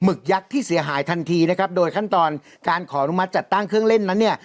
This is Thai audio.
กยักษ์ที่เสียหายทันทีนะครับโดยขั้นตอนการขออนุมัติจัดตั้งเครื่องเล่นนั้นเนี่ย